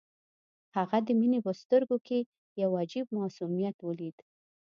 هغه د مينې په سترګو کې يو عجيب معصوميت وليد.